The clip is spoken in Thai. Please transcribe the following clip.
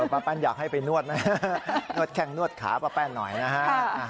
ป้าแป้นอยากให้ไปนวดไหมนวดแข้งนวดขาป้าแป้นหน่อยนะฮะ